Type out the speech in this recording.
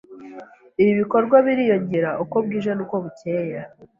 ibi bikorwa biriyongera uko bwije n’uko bucyeye